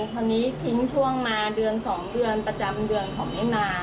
คราวนี้ทิ้งช่วงมาเดือน๒เดือนประจำเดือนเขาไม่มา